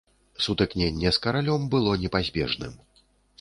Сутыкненне з каралём было непазбежным.